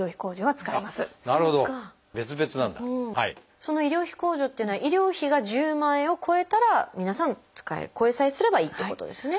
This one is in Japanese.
その医療費控除っていうのは医療費が１０万円を超えたら皆さん使える超えさえすればいいってことですね。